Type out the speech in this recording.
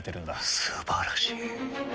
素晴らしい。